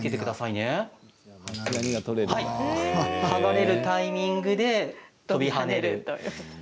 剥がれるタイミングで飛び跳ねるんですね。